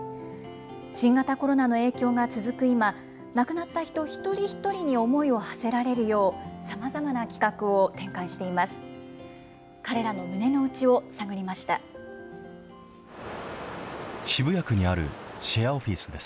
新型コロナの影響が続く今、亡くなった人一人一人に思いをはせられるよう、さまざまな企画を展開しています。